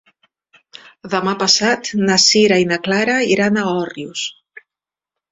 Demà passat na Sira i na Clara iran a Òrrius.